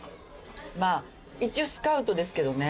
一応スカウトですけどね。